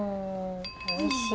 おいしい。